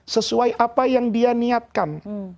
sesuai apa yang dia niatkan